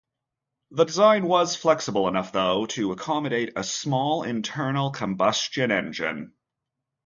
The design was flexible enough, though, to accommodate a small internal combustion engine.